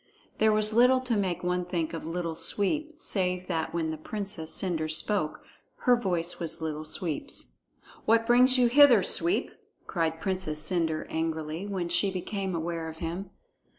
There was little to make one think of Little Sweep, save that when the Princess Cendre spoke, her voice was Little Sweep's. "What brings you hither, Sweep?" cried Princess Cendre angrily, when she became aware of him.